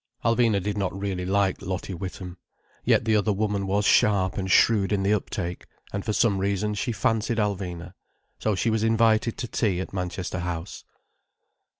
Alvina did not really like Lottie Witham. Yet the other woman was sharp and shrewd in the uptake, and for some reason she fancied Alvina. So she was invited to tea at Manchester House.